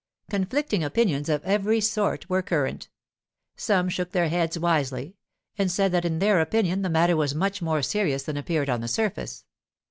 Conflicting opinions of every sort were current. Some shook their heads wisely, and said that in their opinion the matter was much more serious than appeared on the surface.